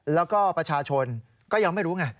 แล้วก็ประชาชนก็ยังไม่รู้ไง